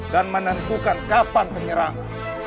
dan menentukan kapan penyerangan